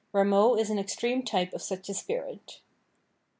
Rameau is an extreme type of such a spirit.